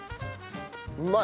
うまい。